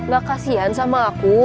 gak kasian sama aku